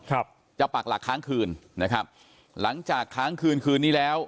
ครับจะปักหลักค้างคืนนะครับหลังจากค้างคืนคืนนี้แล้ว